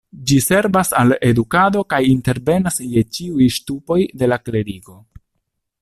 Ĝi servas al edukado kaj intervenas je ĉiuj ŝtupoj de la klerigo.